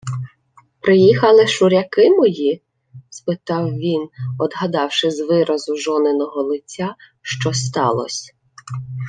— Приїхали шуряки мої? — спитав він, одгадавши з виразу жониного лиця, що сталось.